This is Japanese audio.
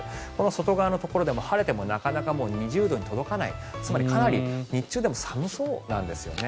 外側のところでもなかなか２０度に届かないつまり、日中でも寒そうなんですよね。